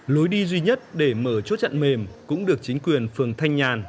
lối đi duy nhất để mở chốt chặn mềm cũng được chính quyền phường thanh nhàn